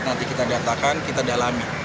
nanti kita datakan kita dalami